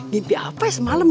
gimpi apa ya semalam ya